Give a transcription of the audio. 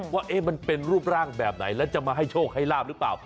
ว่ามันเป็นรูปร่างแบบไหนแล้วจะมาให้โชคให้ลาบหรือเปล่า